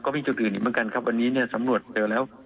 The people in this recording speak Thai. ก็มีจุดอื่นอีกเหมือนกันวันนี้สำรวจเร็วแล้ว